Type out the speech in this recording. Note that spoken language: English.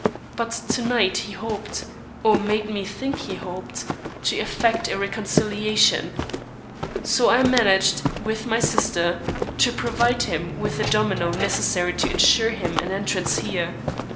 But to night he hoped, or made me think he hoped, to effect a reconciliation; so I managed, with my sister, to provide him with the domino necessary to insure him an entrance here.